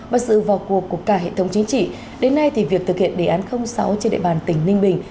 và sự vào cuộc của cả hệ thống chính trị đến nay thì việc thực hiện đề án sáu trên địa bàn tỉnh ninh bình